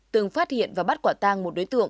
từng phát hiện và bắt quả tang một đối tượng